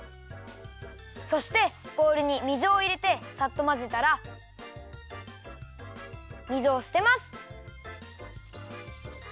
そしてボウルに水をいれてサッとまぜたら水をすてます！